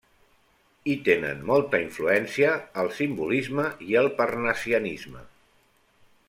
Hi tenen molta influència el simbolisme i el parnassianisme.